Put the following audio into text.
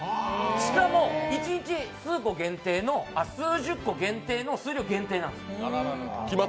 しかも、一日数十個限定の数量限定なんです。